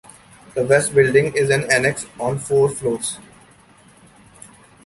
The west building is an annex on four floors.